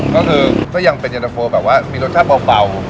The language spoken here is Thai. ก็คือก็ยังเป็นเย็นตะโฟแบบว่ามีรสชาติเบา